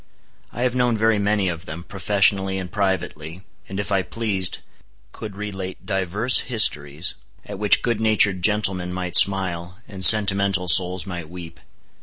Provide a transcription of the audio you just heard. I have known very many of them, professionally and privately, and if I pleased, could relate divers histories, at which good natured gentlemen might smile, and sentimental souls might weep.